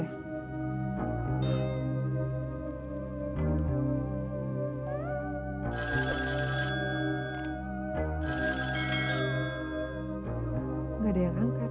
tidak ada yang angkat